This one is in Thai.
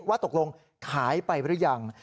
ว่าตกลงขายไปหรือยัง